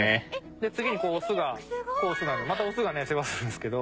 次にオスがまたオスが世話するんですけど。